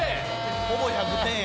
ほぼ１００点や。